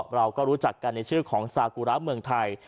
เราก็รู้จักกันในชื่อของซากุระเมืองไทย